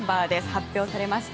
発表されました。